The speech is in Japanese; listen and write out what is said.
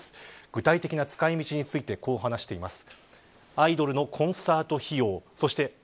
具体的な使い道についてこう話しています。